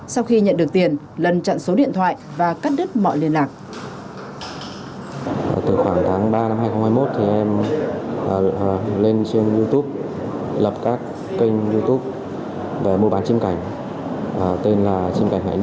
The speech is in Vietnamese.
sau khi nhận được tiền lân chặn số điện thoại và cắt đứt mọi liên lạc